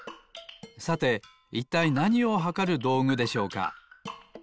さていったいなにをはかるどうぐでしょうか？